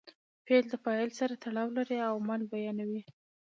فعل د فاعل سره تړاو لري او عمل بیانوي.